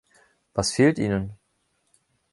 Was fehlt Ihnen?